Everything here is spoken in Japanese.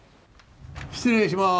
失礼します。